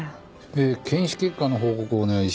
えー検視結果の報告をお願いします。